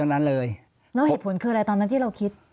แล้วเหตุผลคืออะไรตอนนั้นที่เราคิด